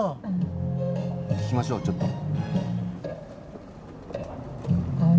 聴きましょうちょっと。